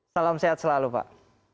salam sehat selalu pak